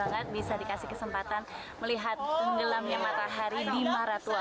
sangat bisa dikasih kesempatan melihat tenggelamnya matahari di maratua